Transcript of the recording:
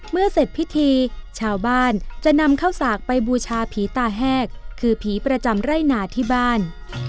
เสร็จพิธีชาวบ้านจะนำเข้าสากไปบูชาผีตาแหกคือผีประจำไร่นาที่บ้าน